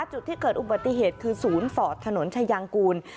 จุดที่เกิดอุบัติเหตุคือศูนย์ฟอร์ดถนนชายางกูล